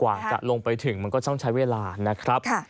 กว่าจะลงไปถึงมันก็ต้องใช้เวลานะครับ